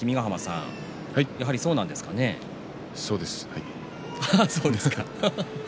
そうですね。